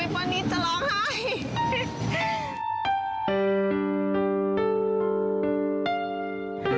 ป้านิดจะร้องไห้